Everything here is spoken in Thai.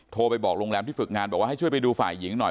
โทรไปบอกโรงแรมที่ฝึกงานบอกว่าให้ช่วยไปดูฝ่ายหญิงหน่อย